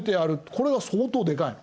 これが相当でかいの。